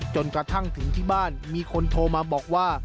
จนกระทั่งถึงที่บ้านมีคนโทรมาบอกว่า